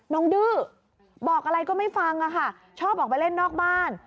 ดื้อบอกอะไรก็ไม่ฟังอะค่ะชอบออกไปเล่นนอกบ้าน